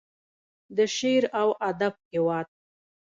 د شعر او ادب هیواد.